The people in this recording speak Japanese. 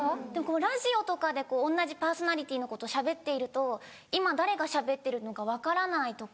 ラジオとかで同じパーソナリティーの子としゃべっていると今誰がしゃべってるのか分からないとか。